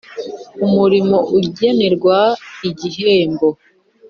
umurimo ugenerwa igihembo